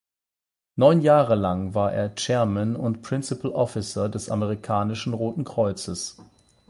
Neun Jahre lang war er Chairman und Principal Officer des amerikanischen Roten Kreuzes.